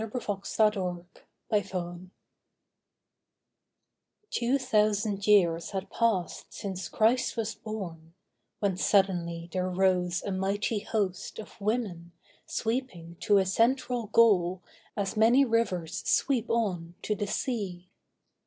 THE EDICT OF THE SEX Two thousand years had passed since Christ was born, When suddenly there rose a mighty host Of women, sweeping to a central goal As many rivers sweep on to the sea.